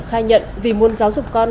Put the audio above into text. khai nhận vì muốn giáo dục con